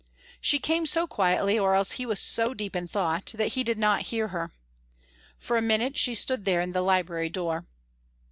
She came so quietly, or else he was so deep in thought, that he did not hear her. For a minute she stood there in the library door.